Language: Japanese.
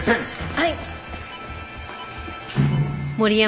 はい！